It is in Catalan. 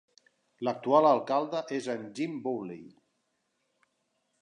L'actual alcalde és en Jim Bouley.